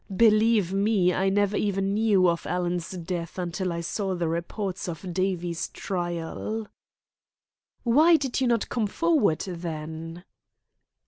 Believe me, I never even knew of Alan's death until I saw the reports of Davie's trial." "Why did you not come forward then?"